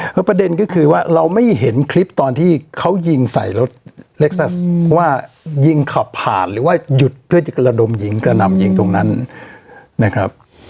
แล้วประเด็นก็คือว่าเราไม่เห็นคลิปตอนที่เขายิงใส่รถเล็กซัสว่ายิงขับผ่านหรือว่าหยุดเพื่อจะกระดมยิงกระหน่ำยิงตรงนั้นนะครับ